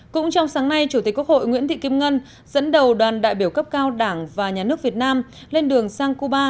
cũng trong sáng nay chủ tịch quốc hội nguyễn thị kim ngân dẫn đầu đoàn đại biểu cấp cao đảng và nhà nước việt nam lên đường sang cuba